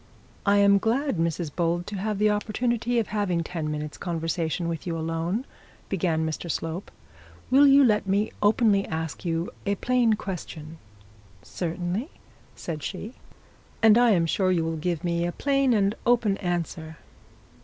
'I am glad, Mrs Bold, to have the opportunity of having ten minutes' conversation with you alone,' began Mr Slope. 'Will you let me openly ask you a plain question?' 'Certainly,' said she. 'And I am sure you will give me a plain and open answer.'